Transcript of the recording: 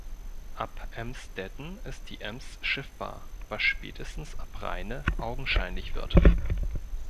Ab Emsdetten ist die Ems schiffbar, was spätestens ab Rheine augenscheinlich wird.